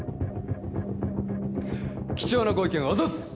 貴重なご意見あざっす！